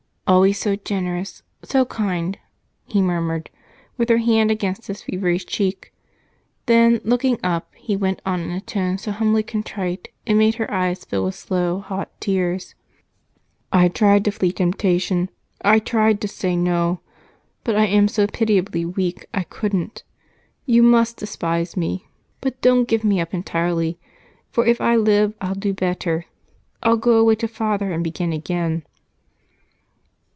"Always so generous, so kind!" he murmured, with her hand against his feverish cheek; then, looking up, he went on in a tone so humbly contrite it made her eyes fill with slow, hot tears. "I tried to flee temptation I tried to say 'no,' but I am so pitiably weak, I couldn't. You must despise me. But don't give me up entirely, for if I live, I'll do better. I'll go away to Father and begin again."